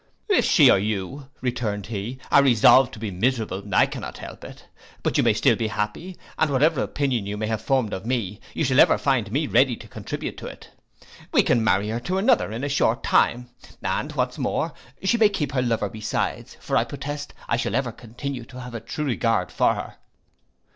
'If she or you,' returned he, 'are resolved to be miserable, I cannot help it. But you may still be happy; and whatever opinion you may have formed of me, you shall ever find me ready to contribute to it. We can marry her to another in a short time, and what is more, she may keep her lover beside; for I protest I shall ever continue to have a true regard for her.